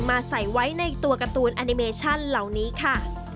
ใส่ไว้ในตัวการ์ตูนแอนิเมชั่นเหล่านี้ค่ะ